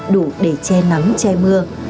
đủ để che nắng che mưa